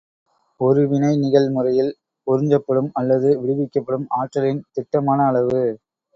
ஒரு வினைநிகழ் முறையில் உறிஞ்சப்படும் அல்லது விடுவிக்கப்படும் ஆற்றலின் திட்டமான அளவு.